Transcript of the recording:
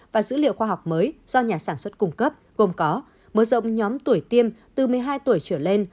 và dữ liệu khoa học mới do nhà sản xuất cung cấp gồm có mở rộng nhóm tuổi tiêm từ một mươi hai tuổi trở lên